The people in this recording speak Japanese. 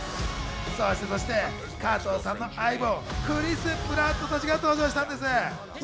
そして加藤さんの相棒クリス・プラットたちが登場したんです。